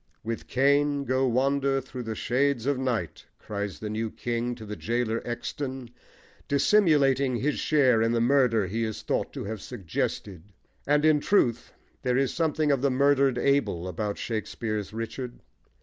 "With Cain go wander through the shades of night!" cries the new king to the gaoler Exton, dissimulating his share in the murder he is thought to have suggested; and in truth there is something of the murdered Abel about Shakespeare's Richard.